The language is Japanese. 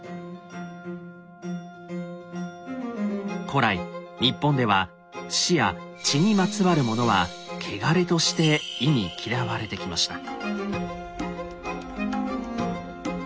古来日本では「死」や「血」にまつわるものは「穢れ」として忌み嫌われてきました。